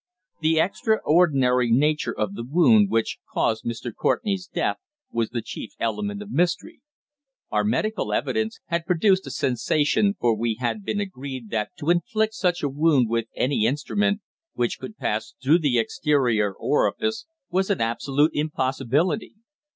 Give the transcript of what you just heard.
The extraordinary nature of the wound which caused Mr. Courtenay's death was the chief element of mystery. Our medical evidence had produced a sensation, for we had been agreed that to inflict such a wound with any instrument which could pass through the exterior orifice was an absolute impossibility.